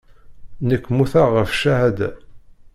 Nekk mmuteɣ ɣef ccahada.